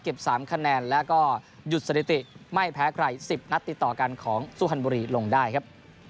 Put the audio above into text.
๓คะแนนแล้วก็หยุดสถิติไม่แพ้ใคร๑๐นัดติดต่อกันของสุฮันบุรีลงได้ครับ